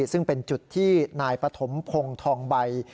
ซึ่งเป็นจุดที่นายปฐมพงศ์ทองใบ